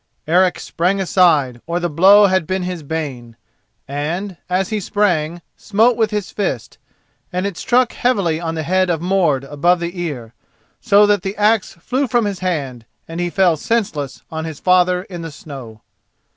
Eric sprang aside, or the blow had been his bane, and, as he sprang, smote with his fist, and it struck heavily on the head of Mord above the ear, so that the axe flew from his hand, and he fell senseless on his father in the snow.